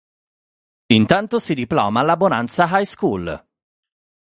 Intanto si diploma alla Bonanza High School.